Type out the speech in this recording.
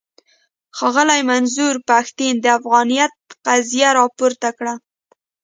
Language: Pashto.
ښاغلي منظور پښتين د افغانيت قضيه راپورته کړه.